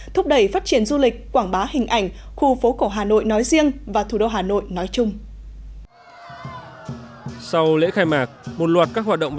thúc đẩy phát triển du lịch quảng bá hình ảnh khu phố cổ hà nội nói riêng và thủ đô hà nội nói chung